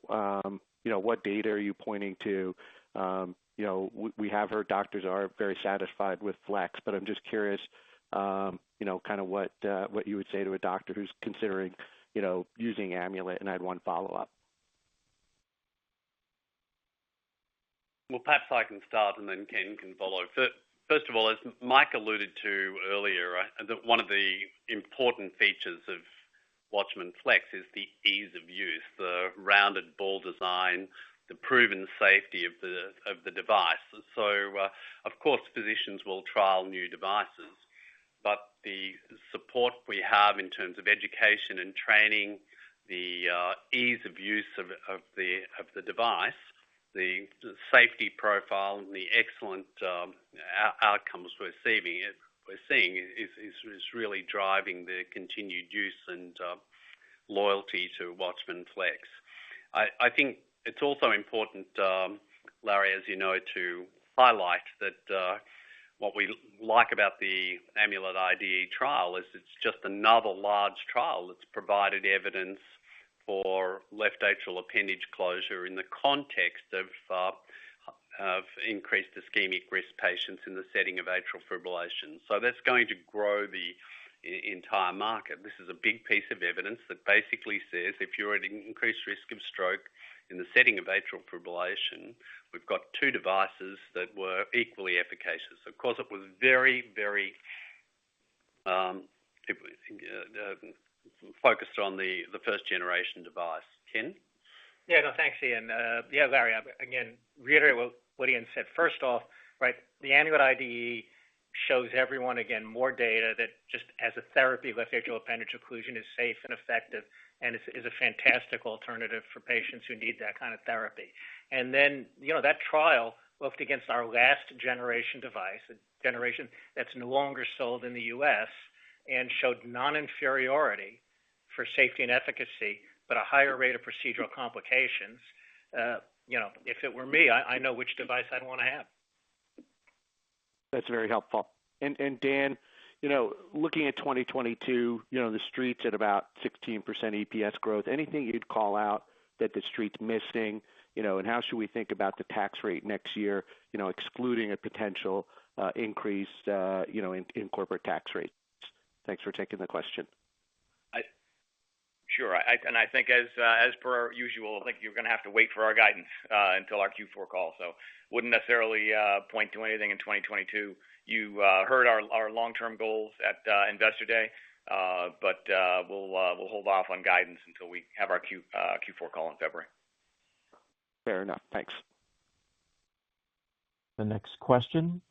you know, what data are you pointing to? You know, we have heard doctors are very satisfied with FLX, but I'm just curious, you know, kind of what you would say to a doctor who's considering, you know, using Amulet. And I have one follow up. Well, perhaps I can start and then Ken can follow. First of all, as Mike alluded to earlier, one of the important features of WATCHMAN FLX is the ease of use, the rounded ball design, the proven safety of the device. Of course, physicians will trial new devices, but the support we have in terms of education and training, the ease of use of the device, the safety profile and the excellent outcomes we're seeing is really driving the continued use and loyalty to WATCHMAN FLX. I think it's also important, Larry, as you know, to highlight that what we like about the Amulet IDE trial is it's just another large trial that's provided evidence for left atrial appendage closure in the context of increased ischemic risk patients in the setting of atrial fibrillation. That's going to grow the entire market. This is a big piece of evidence that basically says, if you're at an increased risk of stroke in the setting of atrial fibrillation, we've got two devices that were equally efficacious. Of course, it was very, very, focused on the first generation device. Ken? Yeah. No. Thanks, Ian. Yeah, Larry, again, reiterate what Ian said. First off, right? The Amulet IDE shows everyone, again, more data that just as a therapy left atrial appendage occlusion is safe and effective and is a fantastic alternative for patients who need that kind of therapy. You know, that trial looked against our last generation device, a generation that's no longer sold in the U.S., and showed non-inferiority for safety and efficacy, but a higher rate of procedural complications. You know, if it were me, I know which device I'd wanna have. That's very helpful. Dan, you know, looking at 2022, you know, the Street's at about 16% EPS growth. Anything you'd call out that the Street's missing, you know, and how should we think about the tax rate next year, you know, excluding a potential increase, you know, in corporate tax rates? Thanks for taking the question. Sure. I think as per usual, I think you're gonna have to wait for our guidance until our Q4 call. I wouldn't necessarily point to anything in 2022. You heard our long-term goals at Investor Day, we'll hold off on guidance until we have our Q4 call in February. Fair enough. Thanks. The next question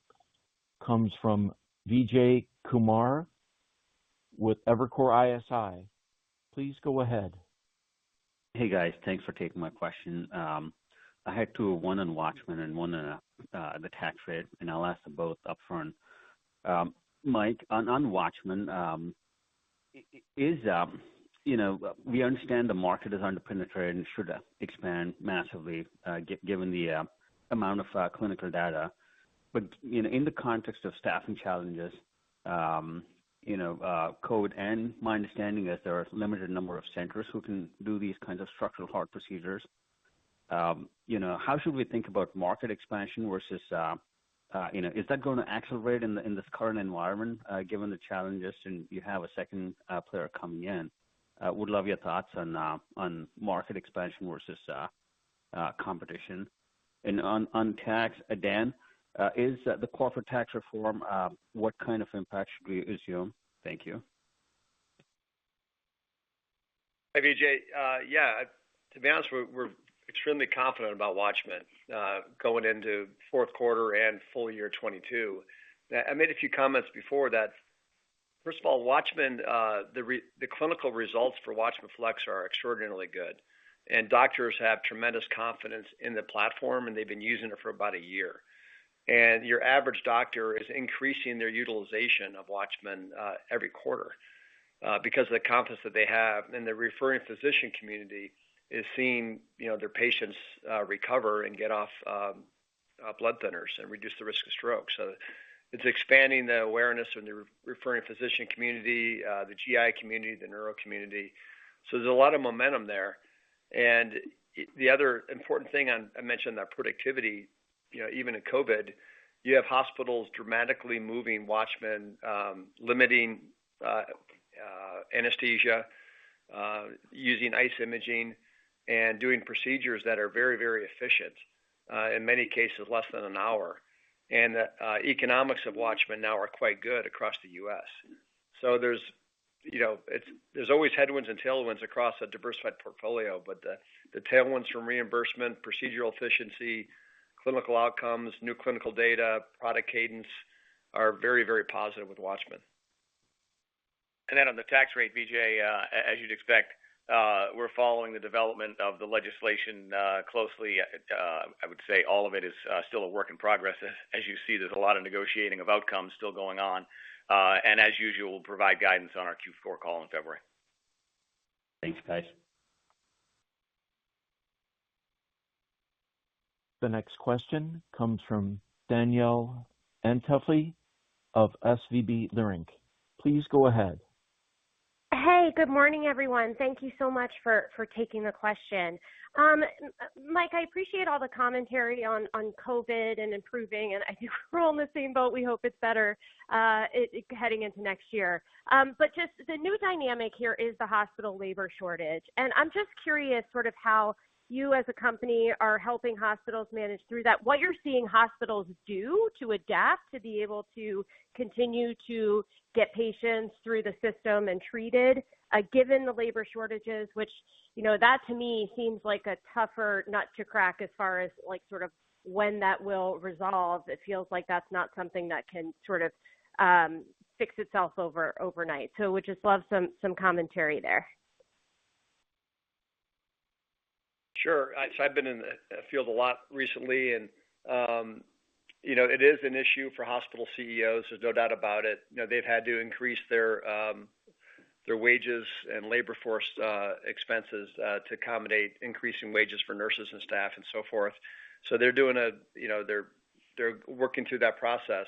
comes from Vijay Kumar with Evercore ISI. Please go ahead. Hey, guys. Thanks for taking my question. I had two, one on WATCHMAN and one on the tax rate, and I'll ask them both upfront. Mike, on WATCHMAN, you know, we understand the market is underpenetrated and should expand massively, given the amount of clinical data. You know, in the context of staffing challenges, you know, COVID and my understanding is there are limited number of centers who can do these kinds of structural heart procedures. You know, how should we think about market expansion versus, you know, is that gonna accelerate in this current environment, given the challenges and you have a second player coming in? Would love your thoughts on market expansion versus competition. On tax, Dan, is the corporate tax reform what kind of impact should we assume? Thank you. Hi, Vijay. Yeah, to be honest, we're extremely confident about WATCHMAN going into fourth quarter and full year 2022. I made a few comments before that. First of all, WATCHMAN, the clinical results for WATCHMAN FLX are extraordinarily good, and doctors have tremendous confidence in the platform, and they've been using it for about a year. Your average doctor is increasing their utilization of WATCHMAN every quarter because of the confidence that they have. The referring physician community is seeing, you know, their patients recover and get off blood thinners and reduce the risk of stroke. It's expanding the awareness in the referring physician community, the GI community, the neuro community. There's a lot of momentum there. The other important thing, I mentioned that productivity, you know, even in COVID, you have hospitals dramatically moving WATCHMAN, limiting anesthesia, using ICE imaging and doing procedures that are very, very efficient, in many cases less than an hour. The economics of WATCHMAN now are quite good across the U.S. There's, you know, always headwinds and tailwinds across a diversified portfolio, but the tailwinds from reimbursement, procedural efficiency, clinical outcomes, new clinical data, product cadence are very, very positive with WATCHMAN. Then on the tax rate, Vijay, as you'd expect, we're following the development of the legislation closely. I would say all of it is still a work in progress. As you see, there's a lot of negotiating of outcomes still going on. As usual, we'll provide guidance on our Q4 call in February. Thanks, guys. The next question comes from Danielle Antalffy of SVB Leerink. Please go ahead. Hey, good morning, everyone. Thank you so much for taking the question. Mike, I appreciate all the commentary on COVID and improving, and I think we're all in the same boat. We hope it's better, heading into next year. Just the new dynamic here is the hospital labor shortage. I'm just curious sort of how you as a company are helping hospitals manage through that. What you're seeing hospitals do to adapt, to be able to continue to get patients through the system and treated, given the labor shortages, which, you know, that to me seems like a tougher nut to crack as far as, like, sort of when that will resolve. It feels like that's not something that can sort of fix itself overnight. Would just love some commentary there. Sure. I've been in the field a lot recently, and you know, it is an issue for hospital CEOs. There's no doubt about it. You know, they've had to increase their wages and labor force expenses to accommodate increasing wages for nurses and staff and so forth. They're working through that process.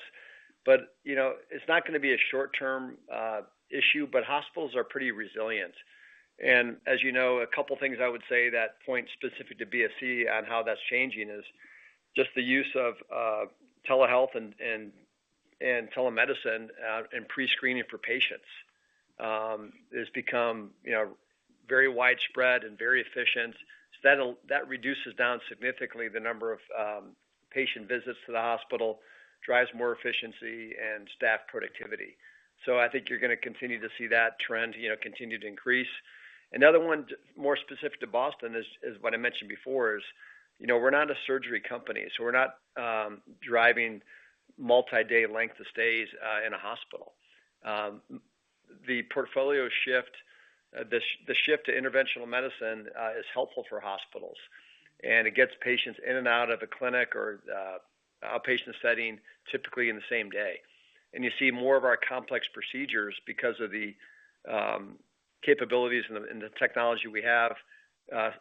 You know, it's not gonna be a short-term issue, but hospitals are pretty resilient. As you know, a couple things I would say that point specific to BSC on how that's changing is just the use of telehealth and telemedicine and pre-screening for patients. It's become very widespread and very efficient. That reduces down significantly the number of patient visits to the hospital and drives more efficiency and staff productivity. I think you're gonna continue to see that trend continue to increase. Another one more specific to Boston is what I mentioned before, we're not a surgery company, so we're not driving multi-day lengths of stay in a hospital. The portfolio shift to interventional medicine is helpful for hospitals, and it gets patients in and out of a clinic or outpatient setting typically in the same day. You see more of our complex procedures because of the capabilities and the technology we have,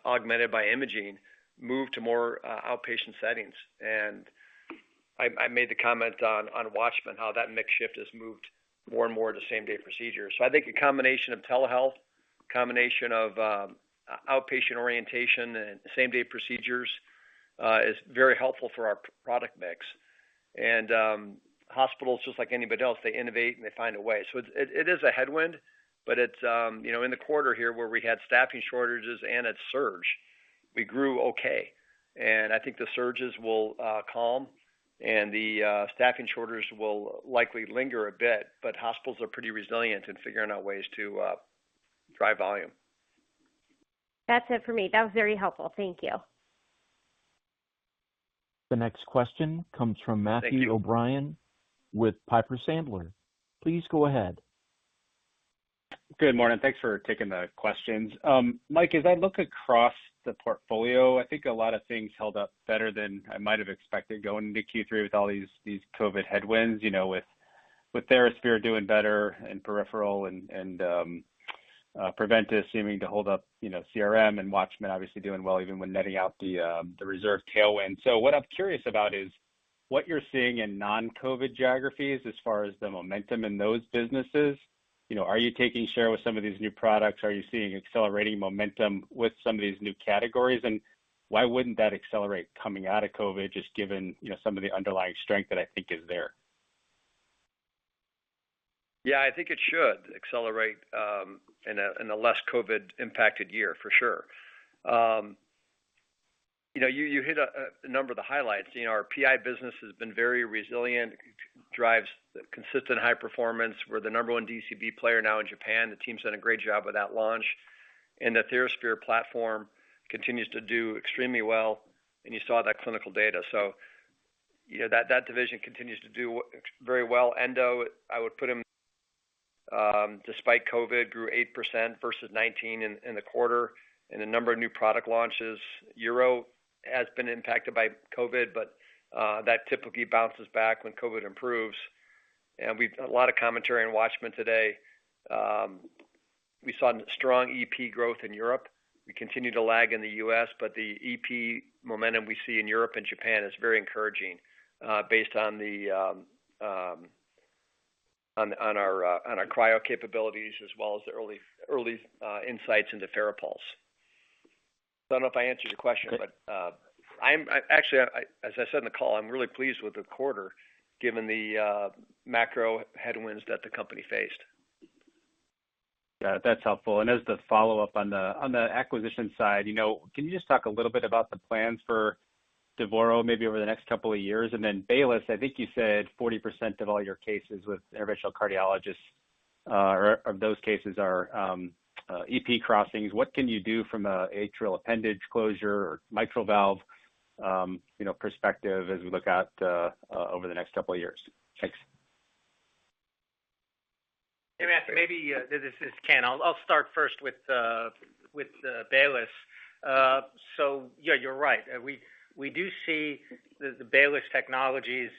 augmented by imaging, move to more outpatient settings. I made the comment on WATCHMAN, how that mix shift has moved more and more to same day procedures. I think a combination of telehealth, outpatient orientation and same day procedures is very helpful for our product mix. Hospitals, just like anybody else, they innovate and they find a way. It is a headwind, but it's you know, in the quarter here where we had staffing shortages and a surge, we grew okay. I think the surges will calm and the staffing shortages will likely linger a bit, but hospitals are pretty resilient in figuring out ways to drive volume. That's it for me. That was very helpful. Thank you. The next question comes from Matthew O'Brien with Piper Sandler. Please go ahead. Good morning. Thanks for taking the questions. Mike, as I look across the portfolio, I think a lot of things held up better than I might have expected going into Q3 with all these COVID headwinds, you know, with TheraSphere doing better in peripheral and Preventice seeming to hold up, you know, CRM and WATCHMAN obviously doing well even when netting out the reserve tailwind. What I'm curious about is what you're seeing in non-COVID geographies as far as the momentum in those businesses. You know, are you taking share with some of these new products? Are you seeing accelerating momentum with some of these new categories? Why wouldn't that accelerate coming out of COVID, just given, you know, some of the underlying strength that I think is there? I think it should accelerate in a less COVID impacted year for sure. You know, you hit a number of the highlights. You know, our PI business has been very resilient, drives consistent high performance. We're the number one DCB player now in Japan. The team's done a great job with that launch. The TheraSphere platform continues to do extremely well, and you saw that clinical data. You know, that division continues to do very well. Endoscopy, I would put them despite COVID, grew 8% versus 2019 in the quarter and a number of new product launches. Urology has been impacted by COVID, but that typically bounces back when COVID improves. A lot of commentary on WATCHMAN today. We saw strong EP growth in Europe. We continue to lag in the U.S., but the EP momentum we see in Europe and Japan is very encouraging, based on our cryo capabilities, as well as the early insights into Farapulse. I don't know if I answered your question, but actually, as I said in the call, I'm really pleased with the quarter given the macro headwinds that the company faced. Yeah, that's helpful. As the follow-up on the acquisition side, you know, can you just talk a little bit about the plans for Devoro maybe over the next couple of years? Then Baylis, I think you said 40% of all your cases with interventional cardiologists, or of those cases are EP crossings. What can you do from a atrial appendage closure or mitral valve, you know, perspective as we look out over the next couple of years? Thanks. Hey, Matthew, maybe this is Ken. I'll start first with Baylis. So yeah, you're right. We do see the Baylis technologies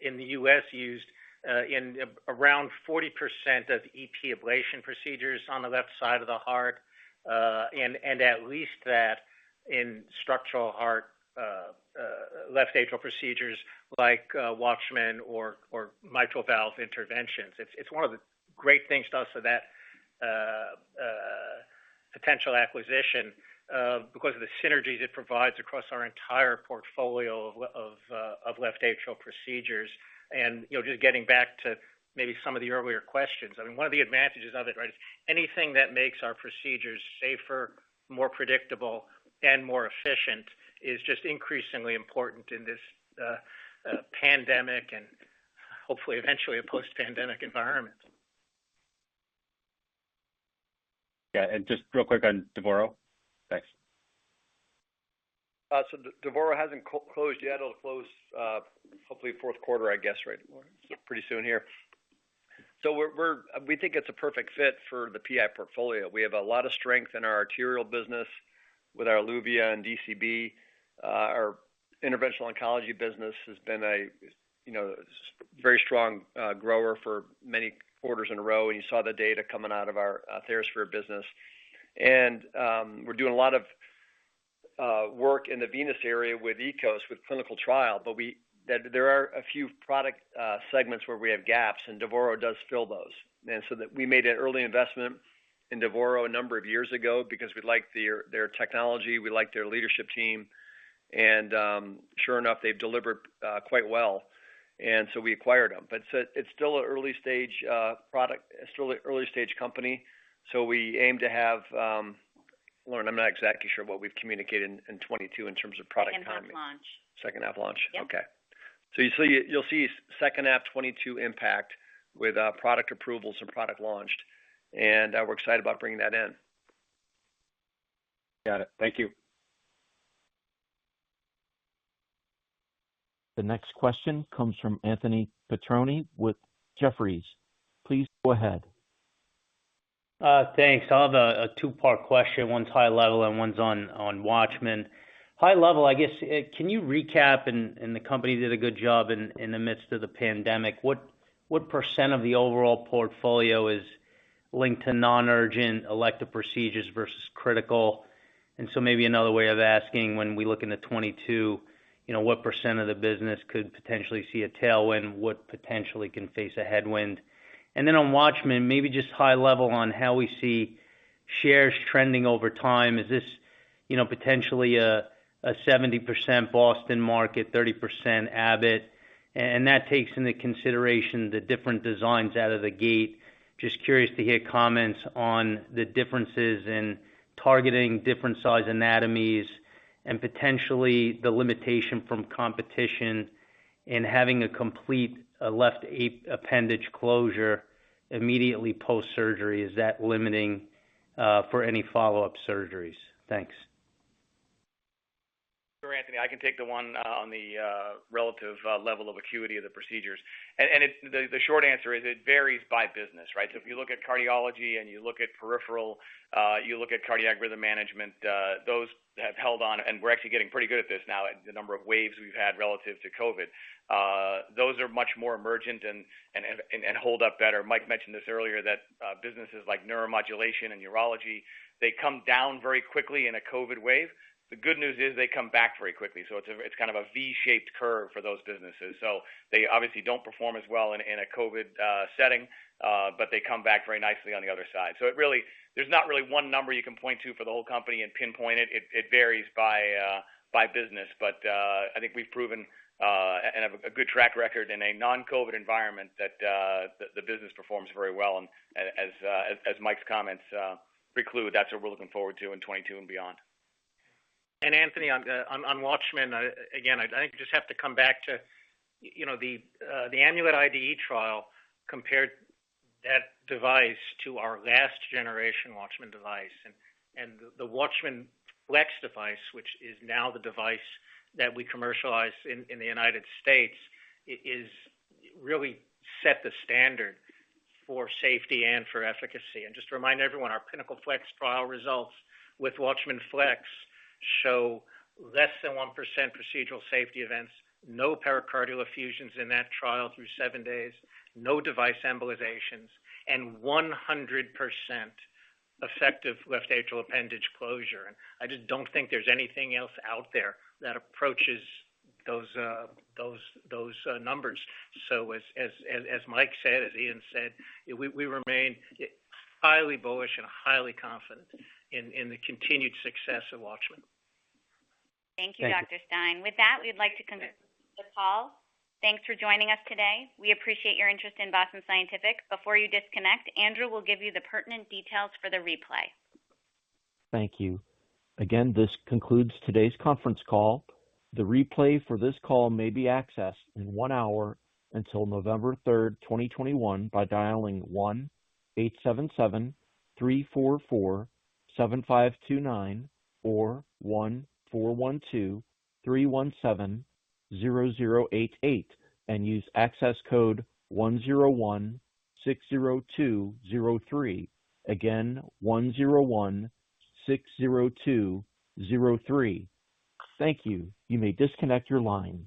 in the U.S. used in around 40% of EP ablation procedures on the left side of the heart, and at least that in structural heart left atrial procedures like Watchman or mitral valve interventions. It's one of the great things to us of that potential acquisition because of the synergies it provides across our entire portfolio of left atrial procedures. You know, just getting back to maybe some of the earlier questions. I mean, one of the advantages of it, right, is anything that makes our procedures safer, more predictable and more efficient is just increasingly important in this pandemic and hopefully eventually a post-pandemic environment. Yeah. Just real quick on Devoro. Thanks. Devoro hasn't closed yet. It'll close, hopefully fourth quarter, I guess, right? Pretty soon here. We think it's a perfect fit for the PI portfolio. We have a lot of strength in our arterial business with our Eluvia and DCB. Our interventional oncology business has been a, you know, very strong grower for many quarters in a row, and you saw the data coming out of our TheraSphere business. We're doing a lot of work in the venous area with EKOS, with clinical trial. There are a few product segments where we have gaps, and Devoro does fill those. We made an early investment in Devoro a number of years ago because we liked their technology. We liked their leadership team. Sure enough, they've delivered quite well. We acquired them. It's still an early stage product. It's still an early stage company. We aim to have Lauren, I'm not exactly sure what we've communicated in 2022 in terms of product economy. Second half launch. Second half launch. Yep. You'll see second half 2022 impact with product approvals and product launched. We're excited about bringing that in. Got it. Thank you. The next question comes from Anthony Petrone with Jefferies. Please go ahead. Thanks. I'll have a two-part question. One's high level and one's on WATCHMAN. High level, I guess, can you recap, and the company did a good job in the midst of the pandemic. What percent of the overall portfolio is linked to non-urgent elective procedures versus critical? Maybe another way of asking, when we look into 2022, you know, what percent of the business could potentially see a tailwind, what potentially can face a headwind? On WATCHMAN, maybe just high level on how we see shares trending over time. Is this, you know, potentially a 70% Boston market, 30% Abbott? And that takes into consideration the different designs out of the gate. Just curious to hear comments on the differences in targeting different size anatomies and potentially the limitation from competition in having a complete left atrial appendage closure immediately post-surgery. Is that limiting for any follow-up surgeries? Thanks. Sure, Anthony. I can take the one on the relative level of acuity of the procedures. The short answer is it varies by business, right? If you look at cardiology and you look at peripheral, you look at cardiac rhythm management, those have held on, and we're actually getting pretty good at this now, the number of waves we've had relative to COVID. Those are much more emergent and hold up better. Mike mentioned this earlier that businesses like Neuromodulation and Neurology, they come down very quickly in a COVID wave. The good news is they come back very quickly. It's kind of a V-shaped curve for those businesses. They obviously don't perform as well in a COVID setting, but they come back very nicely on the other side. There's not really one number you can point to for the whole company and pinpoint it. It varies by business. I think we've proven and have a good track record in a non-COVID environment that the business performs very well. As Mike's comments preclude, that's what we're looking forward to in 2022 and beyond. Anthony, on WATCHMAN, again, I think I just have to come back to the Amulet IDE trial compared that device to our last generation WATCHMAN device. The WATCHMAN FLX device, which is now the device that we commercialize in the United States, it is really set the standard for safety and for efficacy. Just to remind everyone, our PINNACLE FLX trial results with WATCHMAN FLX show less than 1% procedural safety events, no pericardial effusions in that trial through seven days, no device embolizations, and 100% effective left atrial appendage closure. I just don't think there's anything else out there that approaches those numbers. As Mike said, as Ian said, we remain highly bullish and highly confident in the continued success of WATCHMAN. Thank you. Thank you, Dr. Stein. With that, we'd like to conclude the call. Thanks for joining us today. We appreciate your interest in Boston Scientific. Before you disconnect, Andrew will give you the pertinent details for the replay. Thank you. Again, this concludes today's conference call. The replay for this call may be accessed in one hour until November third, 2021, by dialing 1-877-344-7529 or 1-412-317-0088 and use access code 10160203. Again, 10160203. Thank you. You may disconnect your line.